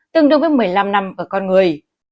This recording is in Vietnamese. tương đương với một mươi năm năm ở con người